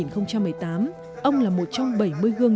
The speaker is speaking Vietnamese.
năm hai nghìn một mươi tám ông là một trong bảy mươi gương